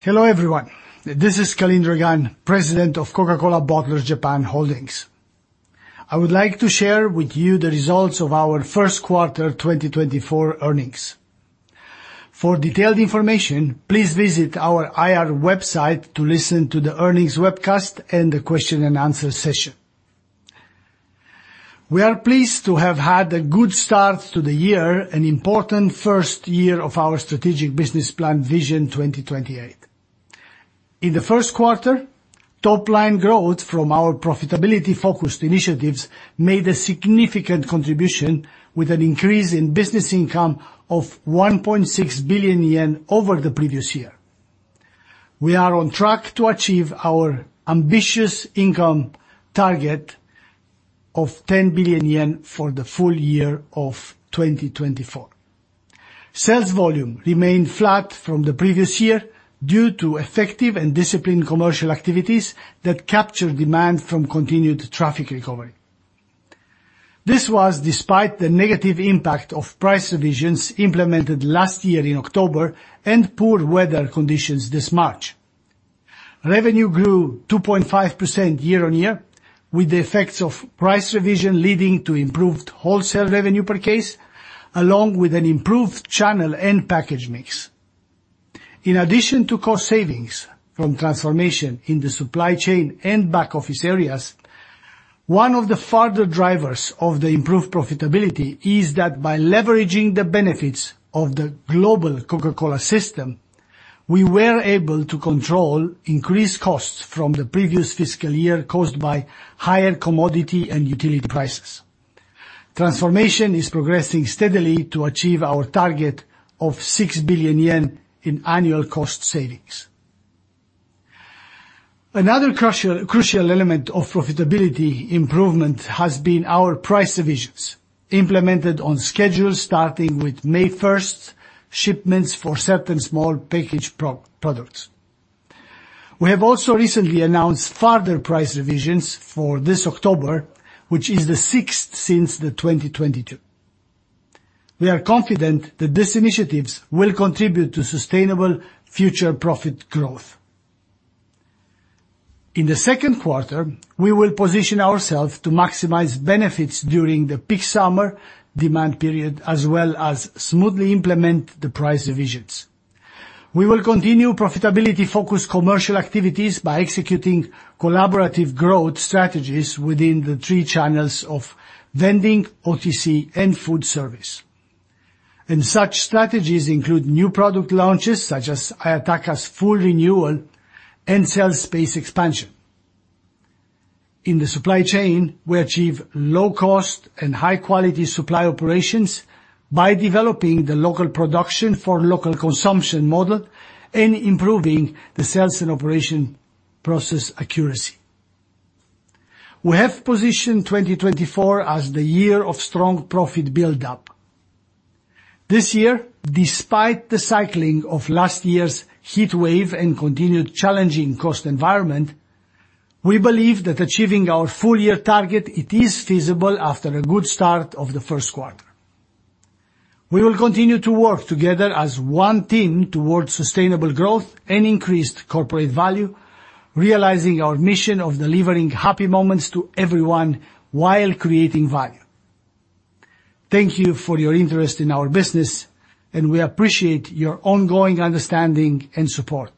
Hello, everyone. This is Calin Dragan, President of Coca-Cola Bottlers Japan Holdings. I would like to share with you the results of our first quarter 2024 earnings. For detailed information, please visit our IR website to listen to the earnings webcast and the question and answer session. We are pleased to have had a good start to the year, an important first year of our strategic business plan, Vision 2028. In the first quarter, top-line growth from our profitability-focused initiatives made a significant contribution with an increase in business income of 1.6 billion yen over the previous year. We are on track to achieve our ambitious income target of 10 billion yen for the full year of 2024. Sales volume remained flat from the previous year due to effective and disciplined commercial activities that captured demand from continued traffic recovery. This was despite the negative impact of price revisions implemented last year in October and poor weather conditions this March. Revenue grew 2.5% year-on-year, with the effects of price revision leading to improved wholesale revenue per case, along with an improved channel and package mix. In addition to cost savings from transformation in the supply chain and back-office areas, one of the further drivers of the improved profitability is that by leveraging the benefits of the global Coca-Cola system, we were able to control increased costs from the previous fiscal year caused by higher commodity and utility prices. Transformation is progressing steadily to achieve our target of 6 billion yen in annual cost savings. Another crucial element of profitability improvement has been our price revisions, implemented on schedule starting with May 1st shipments for certain small package products. We have also recently announced further price revisions for this October, which is the 6th since 2022. We are confident that these initiatives will contribute to sustainable future profit growth. In the second quarter, we will position ourselves to maximize benefits during the peak summer demand period, as well as smoothly implement the price revisions. We will continue profitability-focused commercial activities by executing collaborative growth strategies within the three channels of vending, OTC, and food service. Such strategies include new product launches, such as Ayataka's full renewal and sell space expansion. In the supply chain, we achieve low cost and high-quality supply operations by developing the local production for local consumption model and improving the sales and operation process accuracy. We have positioned 2024 as the year of strong profit buildup. This year, despite the cycling of last year's heatwave and continued challenging cost environment, we believe that achieving our full-year target, it is feasible after a good start of the first quarter. We will continue to work together as one team towards sustainable growth and increased corporate value, realizing our mission of delivering happy moments to everyone while creating value. Thank you for your interest in our business, and we appreciate your ongoing understanding and support.